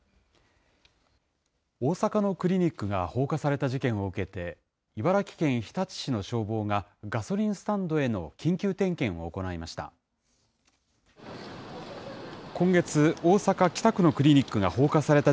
大阪のクリニックが放火された事件を受けて、茨城県日立市の消防が、ガソリンスタンドへの緊急点検を行いました。